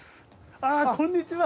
あこんにちは。